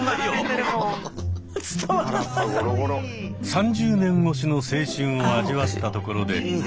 ３０年越しの青春を味わったところで。